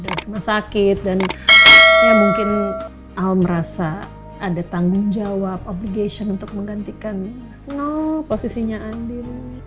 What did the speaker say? dan rumah sakit dan ya mungkin al merasa ada tanggung jawab obligation untuk menggantikan posisinya andin